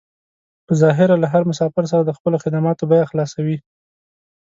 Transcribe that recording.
په ظاهره له هر مسافر سره د خپلو خدماتو بيه خلاصوي.